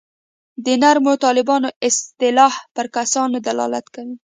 د نرمو طالبانو اصطلاح پر کسانو دلالت کوي.